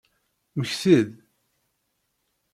Mmekti-d!